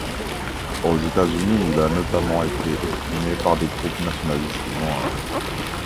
Aux États-Unis, il a notamment été exprimé par des groupes nationalistes noirs.